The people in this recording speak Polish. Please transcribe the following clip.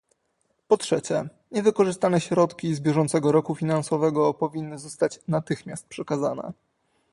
Po trzecie, niewykorzystane środki z bieżącego roku finansowego powinny zostać natychmiast przekazane